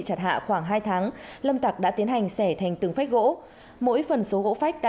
chặt hạ khoảng hai tháng lâm tạc đã tiến hành xẻ thành từng phách gỗ mỗi phần số gỗ vách đã